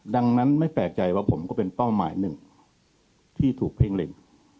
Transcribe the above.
ดังนั้นไม่แปลกใจว่าผมก็เป็นเป้าหมายหนึ่งที่ถูกเพ่งเล็ง